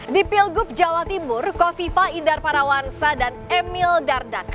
di pilgub jawa timur kofifa indar parawansa dan emil dardak